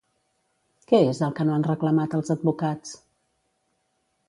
Què és el que no han reclamat els advocats?